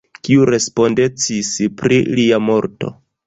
Kiu respondecis pri lia morto?